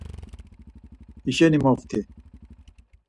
Hişeni moft̆i.